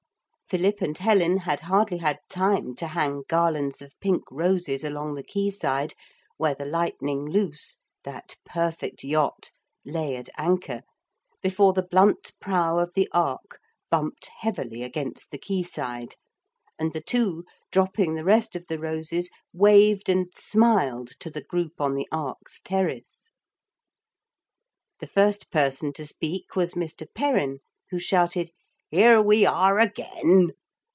Philip and Helen had hardly had time to hang garlands of pink roses along the quayside where the Lightning Loose, that perfect yacht, lay at anchor, before the blunt prow of the ark bumped heavily against the quayside and the two, dropping the rest of the roses, waved and smiled to the group on the ark's terrace. The first person to speak was Mr. Perrin, who shouted, 'Here we are again!'